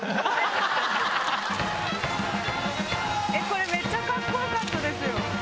これめっちゃカッコよかったですよ。